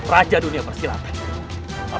raja dunia persilatan